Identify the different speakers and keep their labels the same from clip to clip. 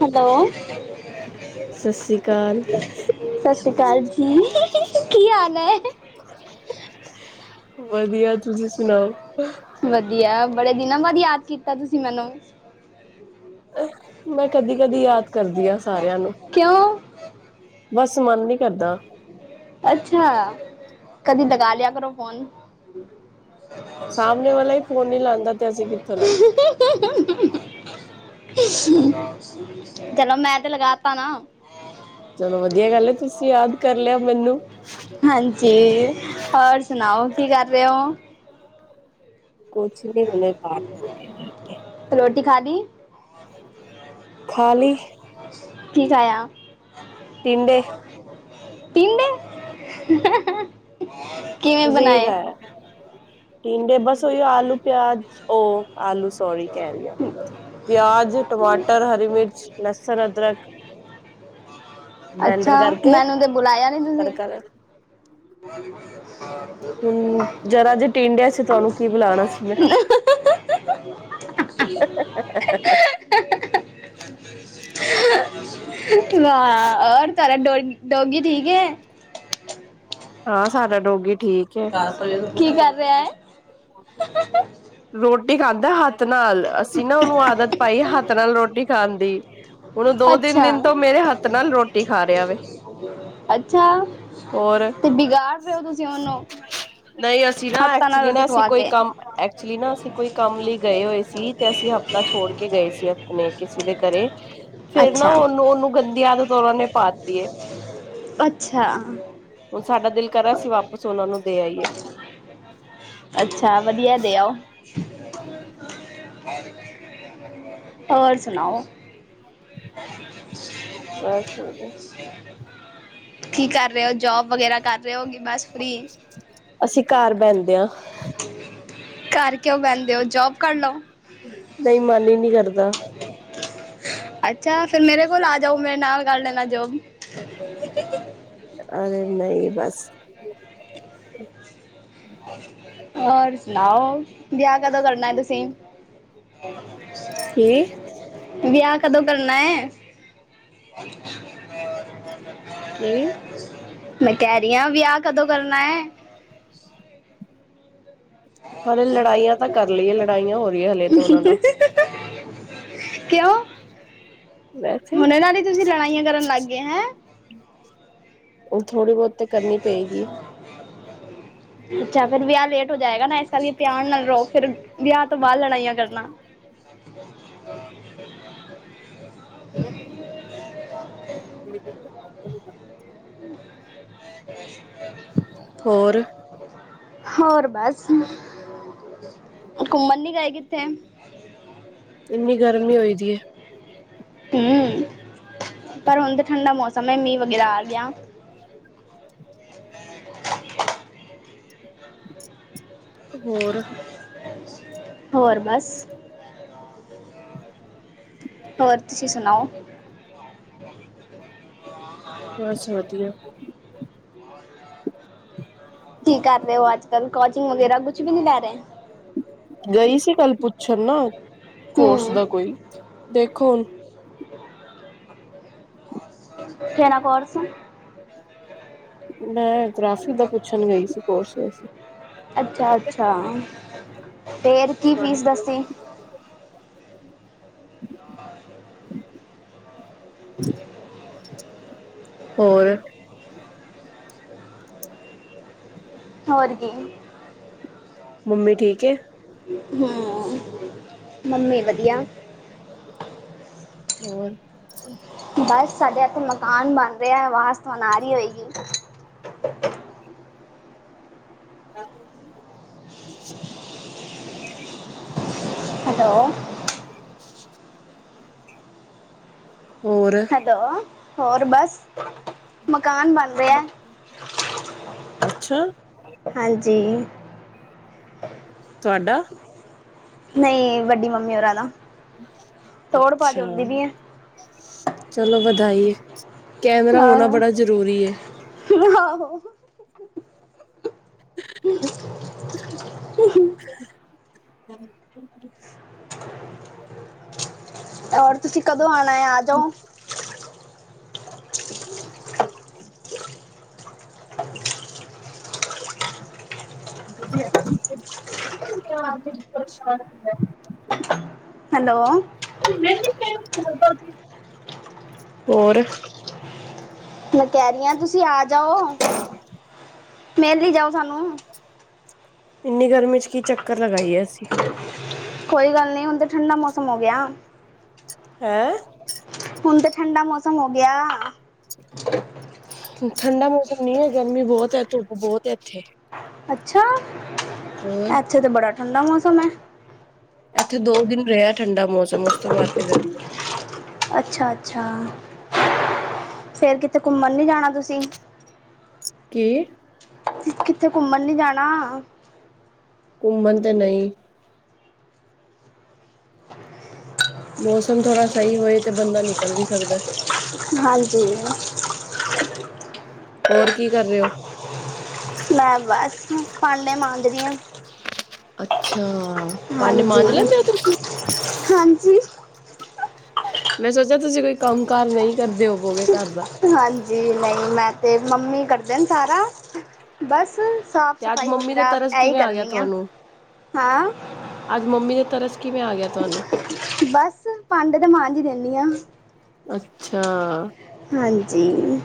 Speaker 1: Hello
Speaker 2: ਸਤਿ ਸ੍ਰੀ ਅਕਾਲ
Speaker 1: ਸਤਿ ਸ੍ਰੀ ਅਕਾਲ ਜੀ ਕੀ ਹਾਲ [unintelligible]
Speaker 2: ਵਧੀਆ ਤੁਸੀਂ ਸੁਣਾਓ
Speaker 1: ਵਧੀਆ ਬੜੇ ਦਿਨਾਂ ਬਾਅਦ ਯਾਦ ਕੀਤਾ ਤੁਸੀਂ ਮੈਨੂੰ
Speaker 2: ਮੈਂ ਕਦੀ ਕਦੀ ਯਾਦ ਕਰਦੀ ਹਾਂ ਸਾਰਿਆਂ ਨੂੰ
Speaker 1: ਕਿਉਂ
Speaker 2: ਬਸ ਮਨ ਨ
Speaker 1: ਅੱਛਾ ਕਦੀ ਲਗਾ ਲਿਆ ਕਰੋ ਫੋਨ [inaudible]
Speaker 2: ਸਾਹਮਣੇ ਵਾਲਾ ਹੀ ਫੋਨ ਨੀ ਲਾਉਂਦਾ ਤੇ ਅਸੀਂ ਕਿੱਥੋਂ ਲਾਈ
Speaker 1: ਚਲੋ ਮੈਂ ਤੇ ਲਗਾ ਤਾ
Speaker 2: ਚਲੋ ਵਧੀਆ ਗੱਲ ਹੈ ਤੁਸੀਂ ਯਾਦ ਕਰ ਲਿਆ ਮੈਨੂੰ
Speaker 1: ਹਾਂਜੀ ਹੋਰ ਸੁਣਾਓ ਕੀ ਕਰ ਰਹੇ ਹੋ
Speaker 2: ਕੋਚ ਉਹਨ ਪਾਠ ਕਰਕੇ
Speaker 1: ਖਾਲੀ
Speaker 2: ਖਾਲੀ
Speaker 1: [inaudible] ਕੀ ਖਾਇਆ
Speaker 2: ਟਿੰਡੇ
Speaker 1: [inaudible] ਟਿੰਡੇ ਕਿਵੇਂ
Speaker 2: ਤੁਸੀਂ ਕੀ
Speaker 1: ਬਣਾਏ
Speaker 2: ਖਾਇਆ ਟਿੰਡੇ ਬਸ ਉਹ ਆਲੂ ਪਿਆਜ ਆਲੂ ਸੋਰੀ ਕਹਿ ਰਹੀ ਹਾਂ ਪਿਆਜ ਟਮਾਟਰ ਹਰੀ ਮਿਰਚ ਲਸਣ ਅਦਰਕ ਬਲੈਂਡਰ
Speaker 1: ਅੱਛਾ
Speaker 2: ਕਰਕੇ
Speaker 1: ਮੈਨੂੰ ਤੇ ਬੁਲਾਇਆ ਨੀ ਤੁਸੀਂ
Speaker 2: ਤੜਕਾ ਲਾ।
Speaker 1: [unintelligible]
Speaker 2: ਹੁਣ ਜਰਾ ਜੇ ਟਿੰਡਿਆ ਸੀ ਤੁ ਉਹਨੂੰ ਕੀ ਬੁਲਾਣਾ ਸੀ ਮੈਂ
Speaker 1: [unintelligible] ਵਾਂ ਰ ਤਾਰਾ ਡੋ ਠੀਕ ਹੈ
Speaker 2: ਹਾਂ ਸਾਡਾ ਡੋਗੀ ਠੀਕ
Speaker 1: ਕੀ ਕਹਿ [unintelligible]
Speaker 2: ਰੋੜ ਇਹ ਕਰਦਾ ਹੱਥ ਹੱਥ ਨਾਲ ਅਸੀਂ ਨਾ ਉਹਨੂੰ ਆਦਤ ਪਾਈ ਹੱਥ ਨਾਲ ਰੋਟੀ ਖਾਣ ਦੀ ਉਹਨੂੰ ਦੋ ਤਿੰਨ
Speaker 1: ਅੱਛਾ
Speaker 2: ਦਿਨ ਤੋਂ ਮੇਰੇ ਹੱਥ ਨਾਲ ਰੋਟੀ ਖਾ ਰਿਹਾ ਵ
Speaker 1: ਅੱਛਾ
Speaker 2: ਹੋਰ
Speaker 1: ਤੇ ਵਿਗਾੜ ਰਹੇ ਹੋ ਤੁਸੀਂ ਉਹਨੂੰ
Speaker 2: ਨਹੀਂ ਅਸੀਂ ਨਾ
Speaker 1: ਹੱਥਾਂ ਨਾਲ
Speaker 2: ਐਕਚੁਲੀ
Speaker 1: ਰੋਟੀ
Speaker 2: ਨਾ ਅਸੀਂ
Speaker 1: ਖਵਾ
Speaker 2: ਕੋਈ
Speaker 1: ਕੇ
Speaker 2: ਕੰਮ ਐਕਚੁਲੀ ਨਾ ਅਸੀਂ ਕੋਈ ਕੰਮ ਲਈ ਗਏ ਹੋਏ ਸੀ ਤੇ ਅਸੀਂ ਹਫ਼ਤਾ ਛੋੜ ਕੇ ਗਏ ਸੀ ਆਪਣੇ ਕਿਸੇ ਦੇ ਘਰੇ ਫੇਿਰ ਨਾ
Speaker 1: ਅੱਛਾ
Speaker 2: ਉਹਨੂੰ ਉਹਨੂੰ ਗੰਦੀ ਆਦਤ ਉਹਨਾ ਨੇ ਪਾਤੀ ਹੈ
Speaker 1: ਅੱਛਾ
Speaker 2: ਸਾਡਾ ਦਿਲ ਕਰਾਂ ਅਸੀਂ ਵਾਪਸ ਉਹਨਾਂ ਨੂੰ ਦੇ ਆਈਏ
Speaker 1: ਸ਼ ਵਧੀਆ ਦਿਆਓ ਹ ਹੋਰ ਸੁਣਾਓ [unintelligible] [inaudible]
Speaker 2: ਬਸ
Speaker 1: ਕੀ ਕਰ ਰਹੇ ਹੋ ਜੋਬ ਵਗੈਰਾ ਕਰ ਰਹੇ ਹੋ ਬਸ ਫ੍ਰੀ
Speaker 2: ਅਸੀਂ ਘਰ ਬਹਿੰਦੇ ਹਾਂ
Speaker 1: ਘਰ ਕਿਉਂ ਬਹਿੰਦੇ ਹੋ ਜੋਬ ਕਰ ਲਓ
Speaker 2: ਨਹੀਂ ਮਨ ਹੀ ਨਹੀਂ ਕਰ ਕਰ ਦਾ
Speaker 1: ਅੱਛਾ ਫੇਿਰ ਮੇਰੇ ਕੋਲ ਆ ਜਾਓ ਮੇਰੇ ਨਾਲ ਕਰ ਲੈਣਾ ਜੋਬ
Speaker 2: ਅਰੇ ਨਹੀਂ ਬਸ ਹਮ
Speaker 1: [inaudible] ਹੋਰ ਸੁਣਾਓ ਵਿਆਹ ਕਦੋਂ ਕਰਨਾ ਹੈ ਤੁਸੀਂ?
Speaker 2: ਕੀ
Speaker 1: ਵਿਆਹ ਕਦੋਂ ਕਰਨਾ ਹੈ
Speaker 2: ਕੀ
Speaker 1: ਮੈਂ ਕਹਿ ਰਹੀ ਹਾਂ ਵਿਆਹ ਕਦੋਂ ਕਰਨਾ ਹੈ
Speaker 2: ਹਲੇ
Speaker 1: [unintelligible]
Speaker 2: ਲੜਾਈਆਂ ਤਾਂ ਕਰ
Speaker 1: ਹੰ
Speaker 2: ਲਈਏ ਲੜਾਈਆਂ ਹੋ ਰਹੀ ਹੈ
Speaker 1: ਹੰ
Speaker 2: ਹਲੇ ਤੇ ਉਹਨਾਂ ਨਾਲ
Speaker 1: ਹੰ ਹ ਹ ਕਿਉਂ
Speaker 2: ਵੈਸੇ
Speaker 1: ਹੁਣ ਇਹਨਾਂ ਹੀ ਤੁਸੀਂ ਲੜਾਈਆਂ ਕਰਨ ਲੱਗ ਗਏ ਹੈਂ
Speaker 2: ਅ ਥੋੜ੍ਹੀ ਬਹੁਤ ਤੇ ਕਰਨੀ ਪਏਗੀ
Speaker 1: ਅੱਛਾ ਫਿਰ ਵਿਆਹ ਲੇਟ ਹੋ ਜਾਏਗਾ ਨਾ ਸ ਪਿਆਰ ਨਾਲ ਰਹੋ ਫੇਿਰ ਵਿਆਹ ਤੋਂ ਬਾਅਦ ਲੜਾਈਆਂ ਕਰਨਾ [unintelligible]
Speaker 2: [unintelligible]
Speaker 1: ਹ [unintelligible]
Speaker 2: ਹੋਰ
Speaker 1: ਹੋਰ ਬਸ, ਘੁੰਮਣ ਨੀ ਗਏ ਕਿੱਥੇ?
Speaker 2: ਇੰਨੀ ਗਰਮੀ ਹੋਈ ਦੀ ਹੈ।
Speaker 1: ਹਮ, ਪਰ ਹੁਣ ਤਾਂ ਠੰਡਾ ਮੌਸਮ ਹੈ ਮੀਂਹ ਵਗੈਰਾ ਆ ਗਿਆ।
Speaker 2: [unintelligible] ਹੋਰ
Speaker 1: ਹੋਰ ਬਸ ਹੋਰ ਤੁਸੀਂ ਸੁਣਾਓ,,?
Speaker 2: ਬਸ ਵਧੀਆ
Speaker 1: ਕੀ ਕਰ ਰਹੇ ਹੋ ਅੱਜ- ਕੱਲ? ਕੋਚਿੰਗ ਵਗੈਰਾ ਕੁਛ ਵੀ ਨਹੀਂ ਲੈ ਰਹੇ?
Speaker 2: ਗਈ ਸੀ ਕੱਲ ਪੁੱਛਣ ਨਾ, ਕੋਰਸ
Speaker 1: ਹੂੰ
Speaker 2: ਦਾ ਕੋਈ ਦੇਖੋ ਹੁਣ?
Speaker 1: ਕਿਹੜਾ ਕੋਰਸ
Speaker 2: ਮੈਂ ਗ੍ਰਾਫੀਕ ਦਾ ਪੁੱਛਣ ਗਈ ਸੀ ਕੋਰਸ ਵੈਸੇ।
Speaker 1: ਅੱਛਾ ਅੱਛਾ ਫੇਰ ਕਿ ਫੀਸ ਦੱਸੀ?
Speaker 2: ਹੋਰ
Speaker 1: ਹੋਰ ਕੀ
Speaker 2: ਮੰਮੀ ਠੀਕ ਏ।
Speaker 1: ਹਮਮ, ਮੰਮੀ ਵਧੀਆ।
Speaker 2: ਹੋਰ
Speaker 1: ਬਸ ਸਾਡੇ ਇੱਥੇ ਮਕਾਨ ਬਣ ਰਿਹਾ। ਵਾਸਤੇ ਓ ਨਾਰੀ ਹੋਏਗੀ। [inaudible]
Speaker 2: ਹੈਲੋ ਛ [inaudible]
Speaker 1: ਹੈਲੋ
Speaker 2: ਹੋਰ
Speaker 1: ਹੈਲੋ ਹੋਰ ਬਸ ਮਕਾਨ ਬਣ ਰਿਹਾ।
Speaker 2: ਅੱਛਾ
Speaker 1: ਹਾਂਜੀ [inaudible]
Speaker 2: ਤੁਹਾਡਾ
Speaker 1: ਨਹੀਂ ਵੱਡੀ ਮੰਮੀ ਹੋਰਾ ਦਾ, ਤੋੜ -ਪਜ
Speaker 2: ਅੱਛਾ
Speaker 1: ਹੁੰਦੀ ਪਈ ਐ।
Speaker 2: ਚਲੋ ਵਧਾਈ ਹੈ ਕੈਮਰਾ ਹੋਣਾ
Speaker 1: ਆਹ,
Speaker 2: ਬੜਾ ਜ਼ਰੂਰੀ ਹੈ
Speaker 1: ਆਹੋ ਹੂ ਹੂ
Speaker 2: ਹਾਂ।
Speaker 1: ਔਰ ਤੁਸੀਂ ਕਦੋਂ ਕਦੋਂ ਆਣਾ ਆਜੋਂ [inaudible]
Speaker 2: ਵਧੀਆ
Speaker 1: ਹੈਲੋ
Speaker 2: [inaudible] ਹੋਰ
Speaker 1: ਮੈਂ ਕਹਿ ਰਹੀ ਆ ਤੁਸੀਂ ਤੁਸੀਂ ਆ ਜਾਓ ਮਿਲ ਹੀ ਜਾਓ ਸਾਨੂੰ
Speaker 2: ਇੰਨੀ ਗਰਮੀ ਚ ਕੀ ਚੱਕਰ ਲਗਾਈਏ ਹੈ ਅਸੀਂ
Speaker 1: ਕੋਈ ਗੱਲ ਨਹੀਂ ਹੁਣ ਤਾਂ ਠੰਡਾ ਮੌਸਮ ਹੋ ਗਿਆ।
Speaker 2: ਹੈਂ।
Speaker 1: ਹੁਣ ਤਾਂ ਠੰਡਾ ਮੌਸਮ ਹੋ ਗਿਆ। [inaudible]
Speaker 2: ਠੰਡਾ ਮੌਸਮ ਨੀ ਹੈ ਗਰਮੀ ਬਹੁਤ ਧੁੱਪ ਬਹੁਤ ਹੈ ਇੱਥੇ
Speaker 1: ਅੱਛਾ।
Speaker 2: ਹੋਰ
Speaker 1: ਏਥੇ ਤੇ ਬੜਾ ਠੰਡਾ ਮੌਸਮ ਹੈ।
Speaker 2: ਇੱਥੇ ਦੋ ਦਿਨ ਰਿਹਾ ਠੰਡਾ ਮੌਸਮ ਉਸ ਤੋਂ ਬਾਅਦ ਤੇ ਗਰਮੀ
Speaker 1: ਅੱਛਾ ਅੱਛਾ। ਫੇਰ ਕਿਥੇ ਘੁੰਮਣ ਨੀ ਜਾਣਾ ਤੁਸੀਂ।
Speaker 2: ਕੀ।
Speaker 1: ਕਿਥੇ ਘੁੰਮਣ ਨੀ ਜਾਣਾ।
Speaker 2: ਘੁੰਮਣ ਤੇ ਨਹੀਂ
Speaker 1: [unintelligible]
Speaker 2: ਮੌਸਮ ਥੋੜ੍ਹਾ ਸਹੀ ਹੋਏ ਤੇ ਬੰਦਾ ਨਿਕਲ ਵੀ ਸਕਦਾ
Speaker 1: ਹਾਂਜੀ।
Speaker 2: ਹੋਰ ਕੀ ਕਰ ਰਹੇ ਹੋ
Speaker 1: ਮੈਂ ਬਸ ਡਾਂਡੇ ਮਾਜ ਰਹੀ ਆ।
Speaker 2: ਅੱਛਾ ਭਾਂਡੇ ਮਾਂਜ ਲੈਂਦੇ ਹੋ ਤੁਸੀਂ
Speaker 1: ਹਾਂਜੀ
Speaker 2: ਮੈਂ ਸੋਚਿਆ ਤੁਸੀਂ ਕੋਈ ਕੰਮ ਕਾਰ ਨਹੀਂ ਕਰਦੇ ਹੋਵੋਗੇ ਘਰ ਦਾ
Speaker 1: ਹਾਂਜੀ ਨਹੀਂ ਮੈਂ ਤੇ ਮੰਮੀ ਕਰਦੇ ਨੇ ਸਾਰਾ ਬਸ ਸਾਫ
Speaker 2: ਤੇ ਅੱਜ
Speaker 1: ਸਫ਼ਾਈ
Speaker 2: ਮੰਮੀ ਦੇ
Speaker 1: ਵਗੈਰਾ
Speaker 2: ਤਰਸ
Speaker 1: ਇਹੀ
Speaker 2: ਕਿਵੇਂ ਗਿਆ
Speaker 1: ਕਰਨੀ ਆ
Speaker 2: ਤੁਹਾਨੂੰ
Speaker 1: ਹਾਂ।
Speaker 2: ਅੱਜ ਮੰਮੀ ਦੇ ਤਰਸ ਕਿਵੇਂ ਆ ਗਿਆ ਤੁਹਾਨੂੰ
Speaker 1: ਬਸ ਭਾਂਡੇ ਤਾਂ ਮਾਂਝ ਹੀ ਦਿੰਦੀ ਆ।
Speaker 2: ਅੱਛਾ
Speaker 1: ਹਾਂਜੀ ਜੀ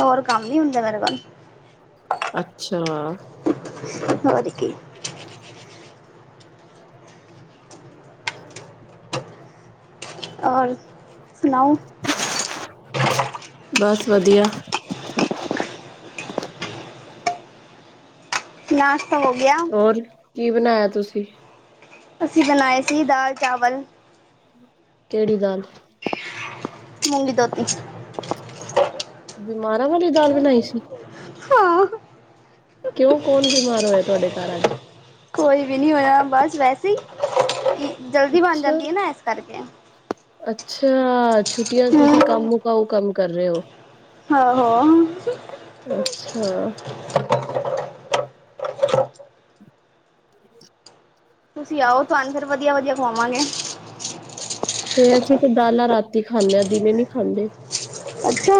Speaker 1: ਹੋਰ ਕੰਮ ਨੀ ਹੁੰਦਾ ਮੇਰੇ ਕੋਲ
Speaker 2: ਅੱਛਾ
Speaker 1: ਹੋਰ ਕੀ ਔਰ ਸੁਣਾਓ
Speaker 2: ਬਸ ਵਧੀਆ
Speaker 1: ਨਾ
Speaker 2: ਹੋਰ ਕੀ ਬਣਾਇਆ ਤੁਸੀਂ
Speaker 1: ਅਸੀਂ ਬਣਾਏ ਸੀ ਦਾਲ ਚਾਵਲ
Speaker 2: ਕਿਹੜੀ ਦਾਲ
Speaker 1: ਮੁੂੰਗੀ ਧੋਤੀ
Speaker 2: ਬਿਮਾਰਾਂ ਵਾਲੀ ਦਾਲ ਬਣਾਈ ਸੀ
Speaker 1: ਹਾਂ
Speaker 2: ਕਿਉਂ ਕੌਣ ਬਿਮਾਰ ਹੋਇਆ ਤੁਹਾਡੇ ਘਰ ਅੱਜ
Speaker 1: ਕੋਈ ਵੀ ਨਹੀਂ ਹੋਇਆ ਬਸ ਵੈਸੇ ਹੀ ਜਲਦੀ ਬਣ
Speaker 2: ਅੱਛਾ
Speaker 1: ਜਾਂਦੀ ਹੈ ਨਾ ਇਸ ਕਰਕੇ
Speaker 2: ਅੱਛਾ ਛੁਟੀਆਂ ਤੁਸੀਂ ਕੰਮ ਮੁਕਾਓ ਕੰਮ ਕਰ ਰਹੇ ਹੋ
Speaker 1: ਹਾਂ ਹੋ
Speaker 2: ਅੱਛਾ
Speaker 1: ਤੁਸੀਂ ਆਓ ਤੁਹਾਨੂੰ ਫਿਰ ਵਧੀਆ ਵਧੀਆ ਖਵਾਵਾਂਗੇ
Speaker 2: ਤੇ ਅਸੀਂ ਤੇ ਦਾਲਾ ਰਾਤੀ ਖਾਂਨੇ ਆਂ ਦਿਨੇ ਨਹੀਂ ਖਾਂਦੇ
Speaker 1: ਅੱਛਾ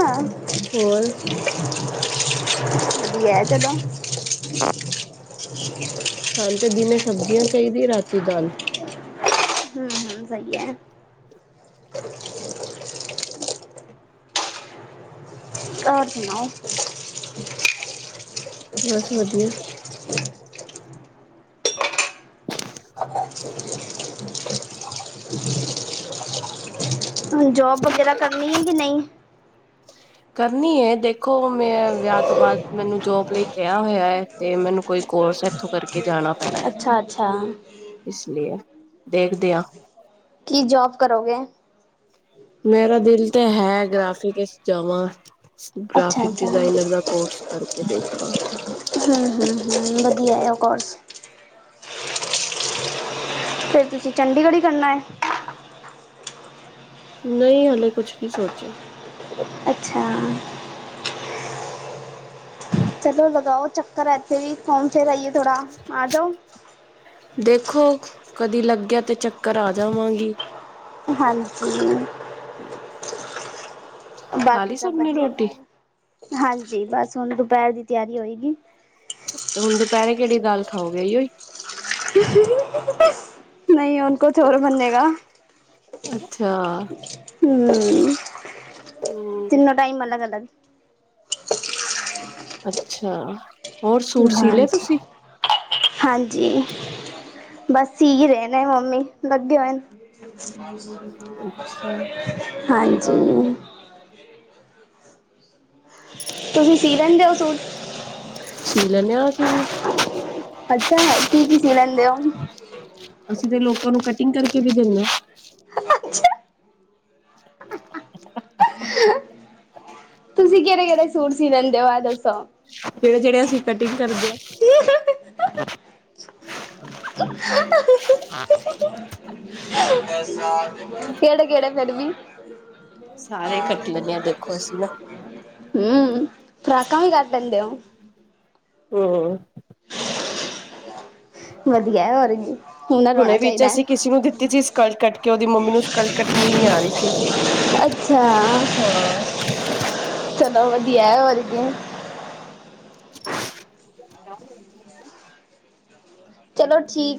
Speaker 2: ਹੋਰ
Speaker 1: ਹੈ ਚਲੋ [unintelligible]
Speaker 2: ਸ਼ਾਂ ਤੇ ਦਿਨੇ ਸਬਜ਼ੀਆਂ ਚਾਹੀਦੀਆਂ ਰਾ ਤੀ ਦਾਲ
Speaker 1: ਹਮ ਸਹੀ ਹੈ ਘਰ [unintelligible] ਸੁਣਾਓ
Speaker 2: ਬਸ ਵਧੀਆ [unintelligible]
Speaker 1: ਹ ਜੋਬ ਵਗੈਰਾ ਕਰਨੀ ਹੈ ਕਿ ਨਹੀਂ
Speaker 2: ਕਰਨੀ ਐ ਦੇਖੋ ਮੈਂ ਵਿਆਹ ਤੋਂ ਬਾਅਦ ਮੈਨੂੰ ਜੋਬ ਲਈ ਕਿਹਾ ਹੋਇਆ ਹੈ ਤੇ ਮੈਨੂੰ ਕੋਈ ਕੋਰਸ ਇੱਥੋਂ ਕਰਕੇ ਜਾਣਾ ਪੈਣਾ
Speaker 1: ਅੱਛਾ ਅੱਛਾ
Speaker 2: ਦੇਖ ਦਿਆ
Speaker 1: ਕੀ ਜੋਬ ਕਰੋਗੇ
Speaker 2: ਮੇਰਾ ਦਿਲ ਤਾਂ ਹੈ ਗ੍ਰਾਫਿਕਸ ਚ ਜਾਵਾਂ ਗ੍ਰਾਫਿਕ
Speaker 1: ਅੱਛਾ-ਅੱਛਾ।
Speaker 2: ਡਿਜ਼ਾਇਨਰ ਦਾ ਕੋਰਸ ਕਰਕੇ ਦੇ ਖਾਂ [unintelligible]
Speaker 1: ਹਮ ਹਮ ਹਮ ਵਧੀਆ ਆ ਉਹ ਕੋਰਸ ਫੇਰ ਤੁਸੀਂ ਚੰਡੀਗੜ੍ਹ ਹੀ ਕਰਨਾ
Speaker 2: ਨਹੀਂ ਹਲੇ ਕੁਛ ਨਹੀਂੀ ਸੋਚਿਆ
Speaker 1: ਅੱਛਾ ਚਲੋ ਲਗਾਓ ਚੱਕਰ ਹੈ ਇੱਥੇ ਵੀ ਫੌਮ ਫੇਰ ਆਈਏ ਥੋੜਾ ਆਜਾਓ
Speaker 2: ਦੇਖੋ ਕਦੀ ਲੱਗਿਆ ਤੇ ਚੱਕਰ ਆ ਜਾਵਾਂਗੀ
Speaker 1: ਹਾਂਜੀ
Speaker 2: ਹਮ
Speaker 1: ਬਾਕੀ ਸਭ ਵਧੀਆ ਖਾਲ ਹਾਂਜੀ ਬਸ ਹੁਣ ਦੁਪਹਿਰ ਦੀ ਤਿਆਰੀ ਹੋਏਗੀ
Speaker 2: ਤੇ ਹੁਣ ਦੁਪਹਿਰੇ ਕਿਹੜੀ ਦਾਲ ਖਾਓਗੇ
Speaker 1: ਨਹੀਂ ਉਹ ਕੋ ੋਰ ਬੰਨੇਗਾ
Speaker 2: ਅੱਛਾ
Speaker 1: ਹਮ ਹਮ
Speaker 2: ਹੂੰ
Speaker 1: ਤਿੰਨੋ ਟਾਈਮ ਅਲੱਗ ਅਲੱਗ
Speaker 2: ਅੱਛਾ ਹੋਔਰ ਸੂਟ ਸੀ ਲਿਆ
Speaker 1: ਹਾਂਜੀ।
Speaker 2: ਤੁਸੀਂ
Speaker 1: ਹਾਂਜੀ ਬਸ ਰਹਿਣਾ ਮੰਮੀ ਲੱਗੇ ਹੋਏ
Speaker 2: ਅੱਛਾ
Speaker 1: ਹਾਂਜੀ ਅਤੇ ਤੁਸੀਂ ਸੀ ਲੈਂਦੇ ਹੋ
Speaker 2: ਸੀ ਲੈਂਨੇ ਆ ਅਸੀਂ ਵੀ
Speaker 1: ਅੱਛਾ ਚੀ ਕੀ ਸੀ ਲੈਂਦੇ ਹੋ
Speaker 2: ਤੁਹਾਨੂੰ ਕਟਿੰਗ ਕਰਕੇ ਵੀ ਦਿੰਨੇ ਹਾਂ
Speaker 1: ਅਛਾ
Speaker 2: [unintelligible]
Speaker 1: ਹ [unintelligible] ਤੁਸੀਂ ਕਿਹੜੇ ਕਿਹੜੇ ਸੂਟ ਸੀ ਲੈਂਦੇ ਹੋ ਆ ਦੱਸੋ
Speaker 2: ਜਿਹੜੇ ਜਿਹੜੇ ਅਸੀਂ ਕਟਿੰਗ ਕਰਦੇ ਆ
Speaker 1: [unintelligible]
Speaker 2: ਹਾਂ
Speaker 1: ਕਿਹੜੇ ਕਿਹੜੇ ਫੜਦੀ
Speaker 2: ਸਾਰੇ
Speaker 1: ਹਹ
Speaker 2: ਕੱਟ ਲੈਂਨੇ ਆ ਦੇਖੋ ਅਸੀਂ ਨਾ
Speaker 1: [unintelligible] ਹਮ ਖੁਰਾਕਾਂ ਵੀ ਕਰ ਦਿੰਦੇ ਹੋ
Speaker 2: ਹ
Speaker 1: ਵਧੀਆ ਔਰ ਹੁਨ ਰੋਣਾ
Speaker 2: ਹੁਣੇ ਵਿੱਚ
Speaker 1: ਚਾਹੀਦਾ ਹੈ
Speaker 2: ਅਸੀਂ ਕਿਸੇ ਨੂੰ ਦਿੱਤੀ ਸੀ ਸਕਲ ਕੱਟ ਕੇ ਉਹਦੀ ਮੰਮੀ ਨੂੰ ਸਕਲ ਕੱਟਣੀ ਨੀ ਆ ਰਹੀ ਸੀ।
Speaker 1: ਅੱਛਾ ਚਲੋ ਵਧੀਆ ਵਧ ਕਿ
Speaker 2: ਡਾ
Speaker 1: ਚਲੋ ਠੀਕ